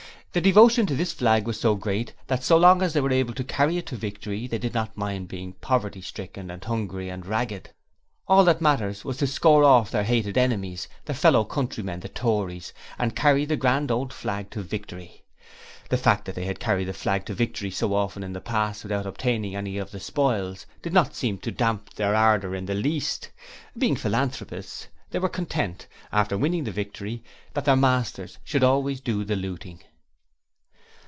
Their devotion to this flag was so great that so long as they were able to carry it to victory, they did not mind being poverty stricken and hungry and ragged; all that mattered was to score off their hated 'enemies' their fellow countrymen the Tories, and carry the grand old flag to victory. The fact that they had carried the flag to victory so often in the past without obtaining any of the spoils, did not seem to damp their ardour in the least. Being philanthropists, they were content after winning the victory that their masters should always do the looting.